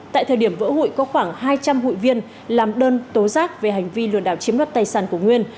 tại thời điểm vỡ hụi có khoảng hai trăm linh hụi viên làm đơn tố giác về hành vi lừa đảo chiếm đoạt tài sản của nguyên